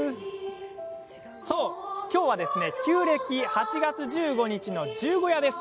そう、きょうは旧暦８月１５日の十五夜です。